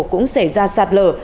cũng xảy ra sạt lở